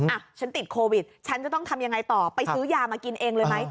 อ่ะฉันติดโควิดฉันจะต้องทำยังไงต่อไปซื้อยามากินเองเลยไหม